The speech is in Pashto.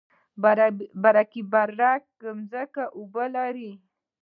برکي برک ځمکې اوبه لري؟